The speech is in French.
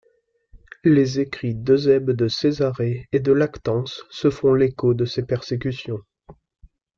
Les écrits d'Eusèbe de Césarée et de Lactance, se font l'écho de ces persécutions.